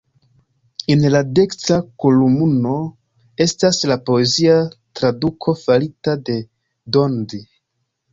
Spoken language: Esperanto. En la dekstra kolumno estas la poezia traduko farita de Dondi.